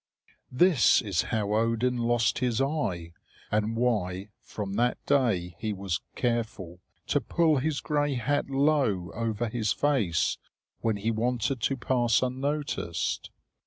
This is how Odin lost his eye, and why from that day he was careful to pull his gray hat low over his face when he wanted to pass unnoticed.